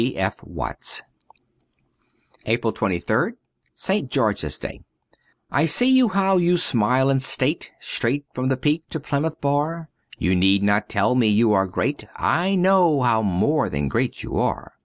'G. F. Watts.' APRIL 23rd Sr. GEORGE'S DAY I SEE you how you smile in state Straight from the Peak to Plymouth Bar ; You need not tell me you are great, I know how more than great you are.